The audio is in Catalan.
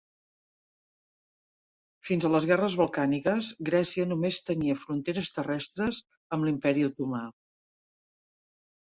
Fins a les guerres balcàniques, Grècia només tenia fronteres terrestres amb l'Imperi otomà.